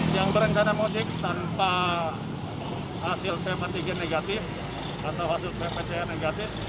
yang berengana mudik tanpa hasil sepantigen negatif atau hasil pcr negatif